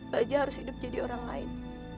baja harus hidup jadi orang lain